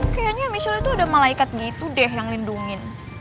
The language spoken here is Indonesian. kayaknya michal itu ada malaikat gitu deh yang lindungin